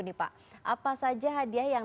ini pak apa saja hadiah yang